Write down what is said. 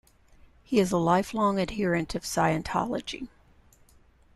He is a lifelong adherent of Scientology.